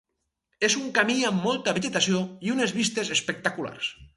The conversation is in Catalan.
És un camí amb molta vegetació i unes vistes espectaculars.